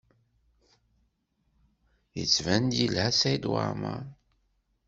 Yettban-d yelha Saɛid Waɛmaṛ.